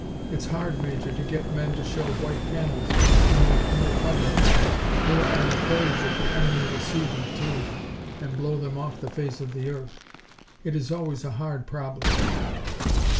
It's hard, Major, to get men to show white panels when they are under fire. They are afraid that the enemy will see them, too, and blow them off the face of the earth. It is always a hard problem."